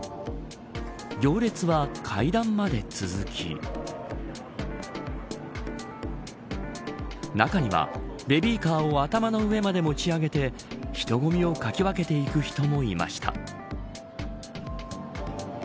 行列は階段まで続き中には、ベビーカーを頭の上まで持ち上げて人混みをかき分けていく人もいました。